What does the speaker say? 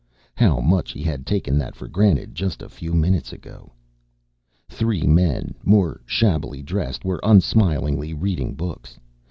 How much he had taken that for granted just a few minutes ago! Three men, more shabbily dressed, were unsmilingly reading books.